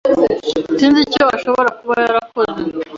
Sinzi icyo ashobora kuba yarakoze